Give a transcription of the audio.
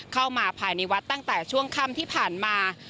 เข้ามาภายในวัดตั้งแต่ช่วงค่ำที่ผ่านมา